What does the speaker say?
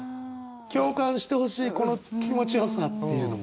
共感してほしいこの気持ちをさっていうのも。